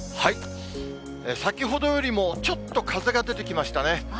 先ほどよりもちょっと風が出てきましたね。